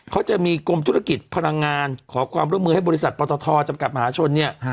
เขาจะมีกรมธุรกิจพลังงานขอความร่วมมือให้บริษัทปตทจำกัดมหาชนเนี่ย